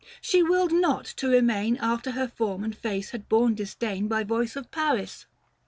She willed not to remain After her form and face had borne disdain 510 By voice of Paris.